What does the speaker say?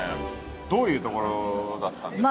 どういうところだったんですか？